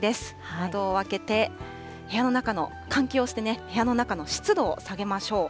窓を開けて、部屋の中の換気をしてね、部屋の中の湿度を下げましょう。